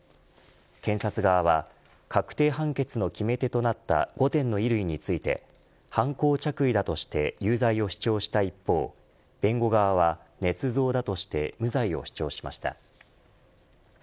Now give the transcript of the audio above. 検察側は確定判決の決め手となった５点の衣類について犯行着衣だとして有罪を主張した一方弁護側は、ねつ造だとして無罪を主張しました。